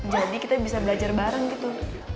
jadi kita bisa belajar bareng gitu